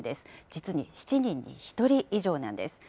実に７人に１人以上なんです。